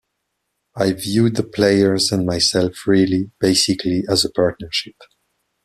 I viewed the players and myself really, basically, as a partnership.